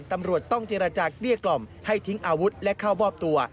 ตำรวจต้องเจรจาเกลี้ยกล่อมให้ทิ้งอาวุธและเข้ามอบตัว